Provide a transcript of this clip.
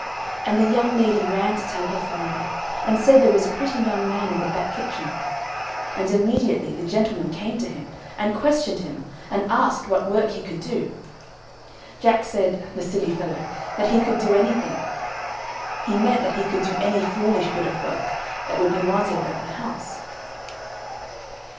And the young lady ran to tell her father, and said there was a pretty young man in the back kitchen; and immediately the gentleman came to him, and questioned him, and asked what work he could do. Jack said, the silly fellow, that he could do anything. (He meant that he could do any foolish bit of work, that would be wanted about the house.)